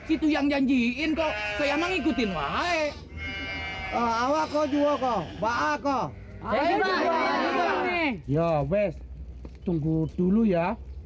itu yang janjiin kok saya mengikutin woi awal kau juga kau bakal ya best tunggu dulu ya